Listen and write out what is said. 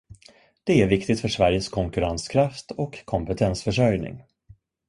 Det är viktigt för Sveriges konkurrenskraft och kompetensförsörjning.